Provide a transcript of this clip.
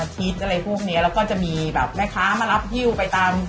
ทีนี้ลูกค้าที่มาทานที่ร้าน